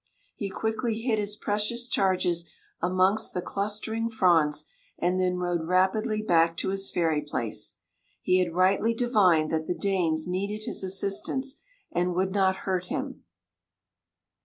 He quickly hid his precious charges amongst the clustering fronds, and then rowed rapidly back to his ferry place. He had rightly divined that the Danes needed his assistance, and would not hurt him.